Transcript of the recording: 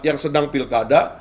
yang sedang pilkada